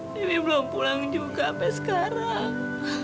diri belum pulang juga sampai sekarang